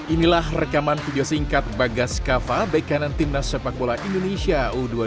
inilah rekaman video singkat bagas kava back kanan timnas sepak bola indonesia u dua puluh dua